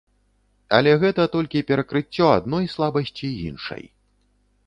Але гэта толькі перакрыццё адной слабасці іншай.